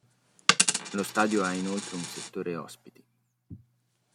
Lo stadio ha inoltre un settore ospiti.